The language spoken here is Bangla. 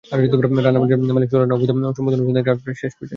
রানা প্লাজার মালিক সোহেল রানার অবৈধ সম্পদ অনুসন্ধানের কাজ প্রায় শেষ পর্যায়ে।